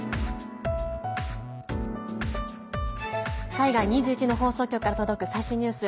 海外２１の放送局から届く最新ニュース。